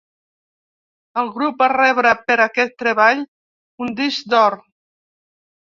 El grup va rebre per aquest treball un disc d'or.